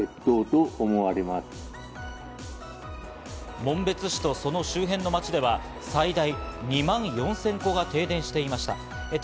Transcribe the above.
紋別市とその周辺の町では最大２万４０００戸が停電していました。